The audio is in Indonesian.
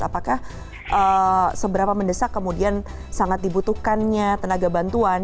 apakah seberapa mendesak kemudian sangat dibutuhkannya tenaga bantuan